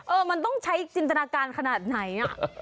มันต้องใช้จินตนาการขนาดไหน